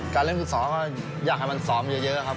การเล่นสุดสอบก็อยากให้มันสอบเยอะครับ